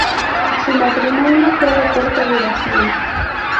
Su matrimonio fue de corta duración.